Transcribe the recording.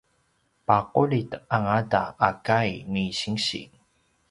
paqulid angata a kai ni sinsi